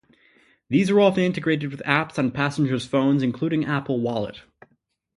These are often integrated with apps on passengers' phones, including Apple Wallet.